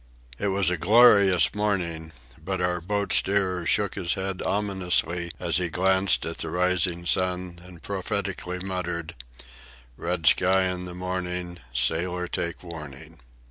It was a glorious morning, but our boat steerer shook his head ominously as he glanced at the rising sun and prophetically muttered: "Red sun in the morning, sailor take warning."